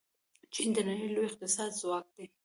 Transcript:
چین د نړۍ لوی اقتصادي ځواک دی.